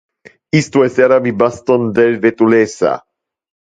Isto essera mi baston del vetulessa.